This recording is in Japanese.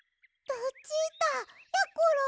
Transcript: ルチータ！やころ！